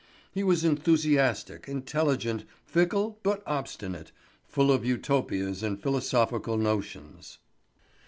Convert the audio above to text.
He was enthusiastic, intelligent, fickle, but obstinate, full of Utopias and philosophical notions.